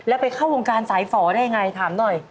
แล้วไปเข้าวงการสายฝ่อได้ยังไงถามหน่อย